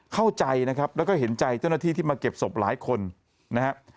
เข้าใจนะครับแล้วก็เห็นใจเจ้าหน้าที่ที่มาเก็บศพหลายคนนะครับ